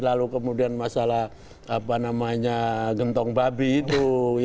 lalu kemudian masalah apa namanya gentong babi itu